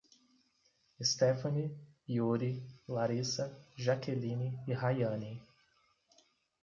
Estefane, Iuri, Larisa, Jakeline e Raiane